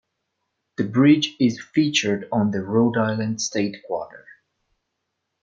The bridge is featured on the Rhode Island state quarter.